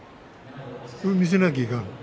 見せなきゃいかん？